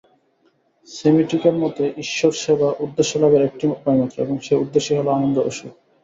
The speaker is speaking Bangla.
সেমিটিকের মতে ঈশ্বর-সেবা উদ্দেশ্যলাভের একটি উপায়মাত্র এবং সেই উদ্দেশ্য হইল আনন্দ ও সুখ।